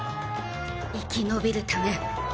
生き延びるため。